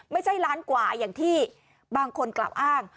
ไม่ใช่ล้านกว่าอย่างที่บางคนกล่าวอ้าง